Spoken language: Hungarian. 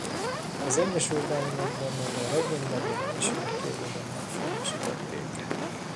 Az Egyesült Államokban még a regény megjelenésének évében megfilmesítették.